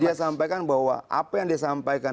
dia sampaikan bahwa apa yang dia sampaikan